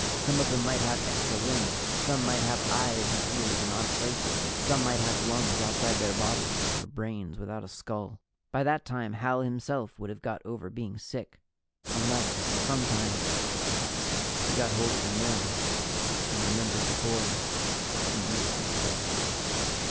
Some of them might have extra limbs. Some might have eyes and ears in odd places. Some might have lungs outside their bodies, or brains without a skull. By that time, Hal himself would have got over being sick unless, some time, he got hold of a mirror and remembered the boy he used to be.